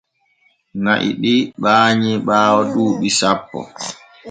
Na’i ɗi ɓaanyi ɓaawo duuɓi sappo.